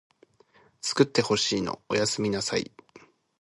つくってほしいのおやすみなさい